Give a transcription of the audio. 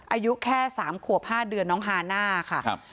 อายุแค่สามขวบห้าเดือนน้องฮาน่าค่ะครับ